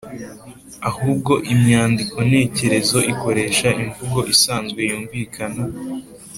Ahubwo imyandiko ntekerezo ikoresha imvugo isanzwe yumvikana